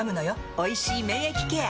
「おいしい免疫ケア」！